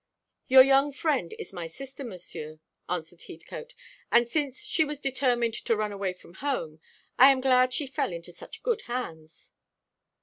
"Your young friend is my sister, Monsieur," answered Heathcote; "and since she was determined to run away from home, I am glad she fell into such good hands."